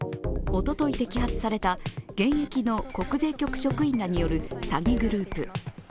おととい摘発された現役の国税局職員らによる詐欺グループ。